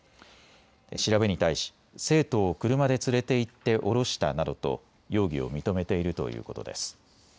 調べに対し生徒を車で連れて行って降ろしたなどと容疑を認めているということです。